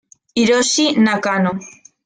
Hiroshi Nakano